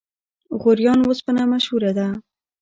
غوریان وسپنه مشهوره ده؟